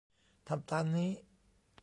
ทำตามนี้